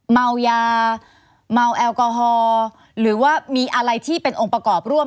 เมายาเมาแอลกอฮอล์หรือว่ามีอะไรที่เป็นองค์ประกอบร่วม